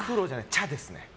茶ですね。